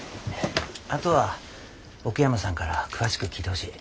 あとは奥山さんから詳しく聞いてほしい。